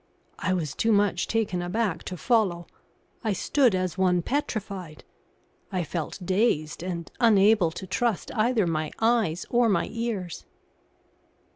I was too much taken aback to follow. I stood as one petrified. I felt dazed and unable to trust either my eyes or my ears.